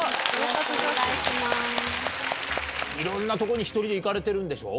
いろんなとこに１人で行かれてるんでしょ？